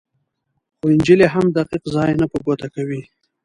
خو انجیل یې هم دقیق ځای نه په ګوته کوي.